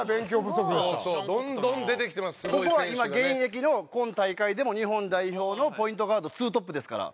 ここは今現役の今大会でも日本代表のポイントガードツートップですから。